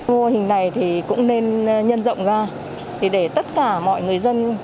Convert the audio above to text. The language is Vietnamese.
mô hình này thì cũng nên nhân rộng ra để tất cả mọi người dân